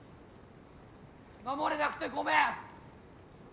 守れなくてごめん！